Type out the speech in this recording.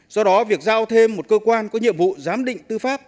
do đó việc giao thêm một cơ quan có nhiệm vụ giám định tư pháp